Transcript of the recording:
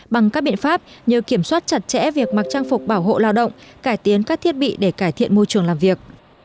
bằng các biện pháp như kiểm soát chặt chẽ việc mặc trang phục bảo hộ lao động cải tiến các thiết bị để cải thiện môi trường làm việc